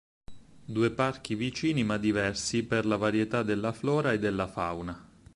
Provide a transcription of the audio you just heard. Due parchi vicini ma diversi per la varietà della flora e della fauna.